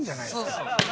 そうそう。